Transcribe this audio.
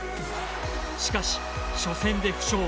しかし、初戦で負傷。